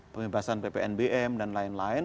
pembebasan ppnbm dan lain lain